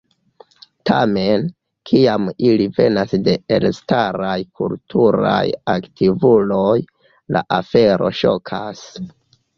Tamen, kiam ili venas de elstaraj kulturaj aktivuloj, la afero ŝokas.